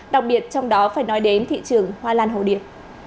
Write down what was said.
đặc biệt trong đó phải nói đến thị trường hoa lan hồ điệp